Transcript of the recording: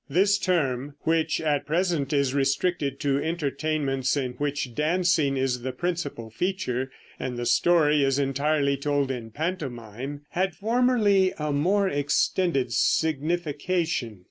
This term, which at present is restricted to entertainments in which dancing is the principal feature, and the story is entirely told in pantomime, had formerly a more extended signification.